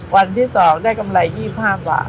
วันที่๒ได้กำไร๒๕บาท